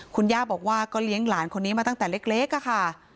คุณย่าบอกว่าก็เลี้ยงหลานคนนี้มาตั้งแต่เล็กค่ะ